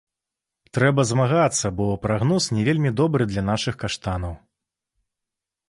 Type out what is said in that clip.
Трэба змагацца, бо прагноз не вельмі добры для нашых каштанаў.